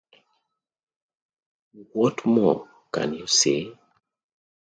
What more can you say?